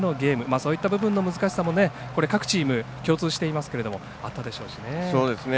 そういった部分の難しさも各チーム共通していますけれどもあったでしょうしね。